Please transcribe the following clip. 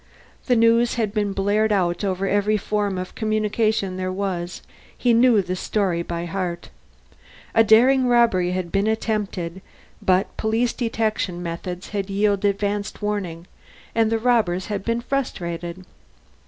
The news had been blared out over every form of communication there was; he knew the story by heart. A daring robbery had been attempted, but police detection methods had yielded advance warning, and the robbers had been frustrated.